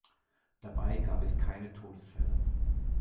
Dabei gab es keine Todesfälle.